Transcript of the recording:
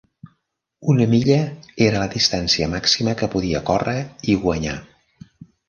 Una milla era la distància màxima que podia córrer i guanyar.